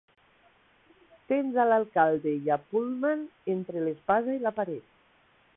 Tens a l'alcalde i a Pullman entre l'espasa i la paret.